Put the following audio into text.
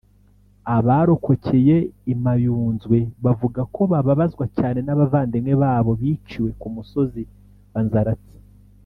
Abarokokeye i Mayunzwe bavuga ko bababazwa cyane n’abavandimwe babo biciwe ku musozi wa Nzaratsi